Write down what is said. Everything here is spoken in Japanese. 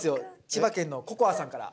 千葉県のここあさんから。